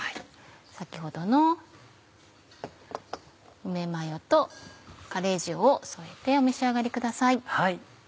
先ほどの梅マヨとカレー塩を添えてお召し上がりください。